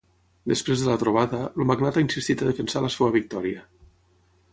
Després de la trobada, el magnat ha insistit a defensar la seva victòria.